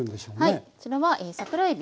はいこちらは桜えび。